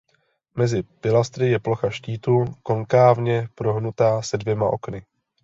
Mezi pilastry je plocha štítu konkávně prohnutá se dvěma okny.